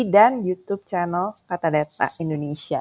dan youtube channel katadata indonesia